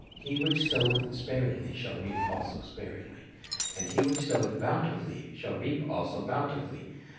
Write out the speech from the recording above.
He which soweth sparingly shall reap also sparingh ; and he which soweth bountifully shall reap also bounti fully."